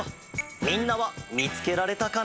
みんなはみつけられたかな？